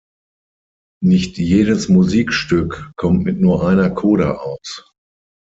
Nicht jedes Musikstück kommt mit nur einer Coda aus.